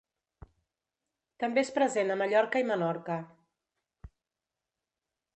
També és present a Mallorca i Menorca.